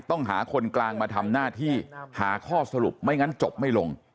ต้องหาคนกลางมาทำหน้าที่หาข้อสรุปไม่งั้นจบไม่ลง